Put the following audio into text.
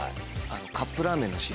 カップラーメンの汁。